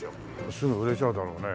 すぐ売れちゃうだろうね。